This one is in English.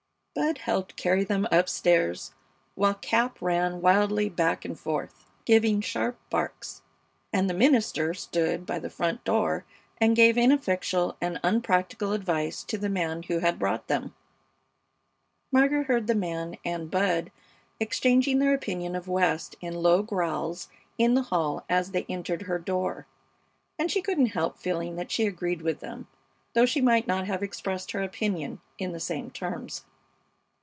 Bud helped carry them up stairs, while Cap ran wildly back and forth, giving sharp barks, and the minister stood by the front door and gave ineffectual and unpractical advice to the man who had brought them. Margaret heard the man and Bud exchanging their opinion of West in low growls in the hall as they entered her door, and she couldn't help feeling that she agreed with them, though she might not have expressed her opinion in the same terms.